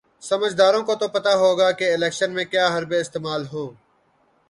سمجھداروں کو تو پتا ہوگا کہ الیکشن میں کیا حربے استعمال ہوں۔